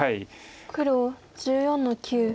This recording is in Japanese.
黒１４の九切り。